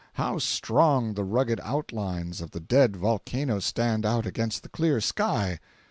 How strong the rugged outlines of the dead volcano stand out against the clear sky!